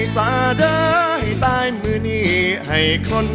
ขอบคุณมาก